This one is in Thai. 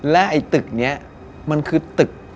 และไอ้ตึกนี้มันคือตึก